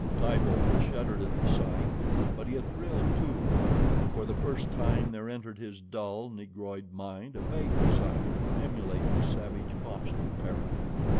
Tibo had shuddered at the sight, but he had thrilled, too, and for the first time there entered his dull, Negroid mind a vague desire to emulate his savage foster parent.